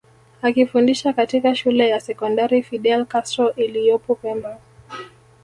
akifundisha katika shule ya sekondari Fidel Castro iliyopo pemba